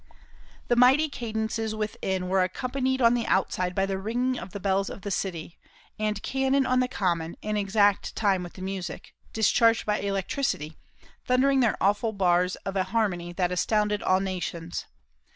The mighty cadences within were accompanied on the outside by the ringing of the bells of the city, and cannon on the common, in exact time with the music, discharged by electricity, thundering their awful bars of a harmony that astounded all nations.